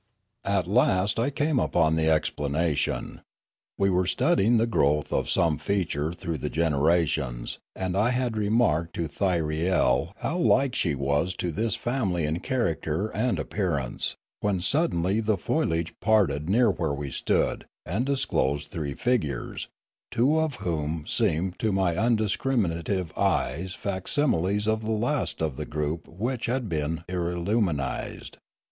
At last I came upon the explanation. We were studying the growth of some feature through the gen erations, and I had remarked to Thyriel how like she was to this family in character and appearance, when suddenly the foliage parted near where we stood and disclosed three figures, two of whom seemed to my un discriminative eyes facsimiles of the last of the group which had been ireliumised.